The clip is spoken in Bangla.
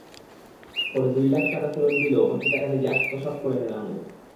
পরে দুই লাখ টাকা ফেরত দিলেও বাকি টাকা নিজে আত্মসাৎ করেন এনামুল।